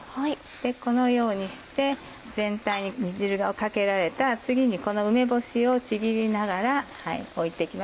このようにして全体に煮汁をかけられたら次にこの梅干しをちぎりながら置いて行きます。